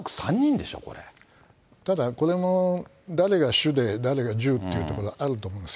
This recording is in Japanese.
ただ、これも誰が主で、誰が従みたいなところがあると思うんです。